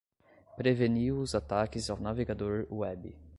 Preveniu os ataques ao navegador web